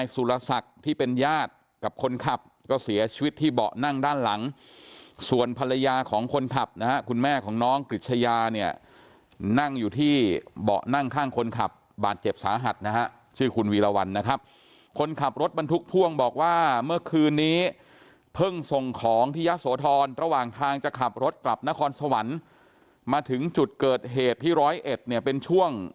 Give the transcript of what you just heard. สุรศักดิ์ที่เป็นญาติกับคนขับก็เสียชีวิตที่เบาะนั่งด้านหลังส่วนภรรยาของคนขับนะฮะคุณแม่ของน้องกฤษยาเนี่ยนั่งอยู่ที่เบาะนั่งข้างคนขับบาดเจ็บสาหัสนะฮะชื่อคุณวีรวรรณนะครับคนขับรถบรรทุกพ่วงบอกว่าเมื่อคืนนี้เพิ่งส่งของที่ยะโสธรระหว่างทางจะขับรถกลับนครสวรรค์มาถึงจุดเกิดเหตุที่ร้อยเอ็ดเนี่ยเป็นช่วง